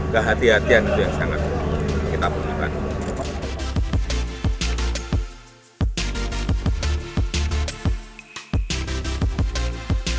ya hati hatian itu yang sangat kita perlukan